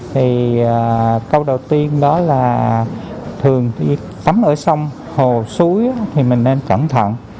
thì câu đầu tiên đó là thường đi tắm ở sông hồ suối thì mình nên cẩn thận